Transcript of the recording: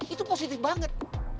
itu positif banget